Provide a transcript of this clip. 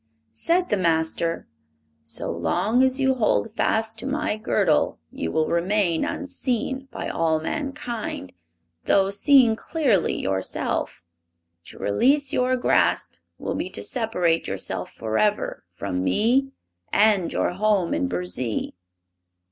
Said the Master: "So long as you hold fast to my girdle you will remain unseen by all mankind, though seeing clearly yourself. To release your grasp will be to separate yourself forever from me and your home in Burzee."